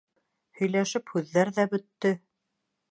Һөйләшеп һүҙҙәр ҙә бөттө.